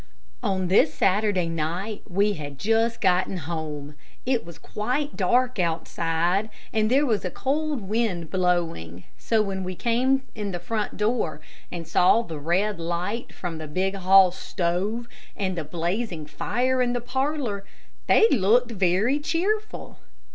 On this Saturday night we had just gotten home. It was quite dark outside, and there was a cold wind blowing, so when we came in the front door, and saw the red light from the big hall stove and the blazing fire in the parlor they looked very cheerful.